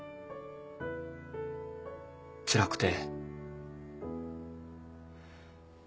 つらくて。